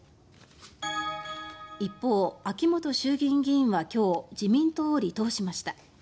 一方、秋本衆議院議員は今日自民党を離党しました。